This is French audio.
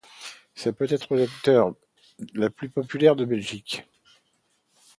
C'est peut-être l'acteur le plus populaire de Belgique.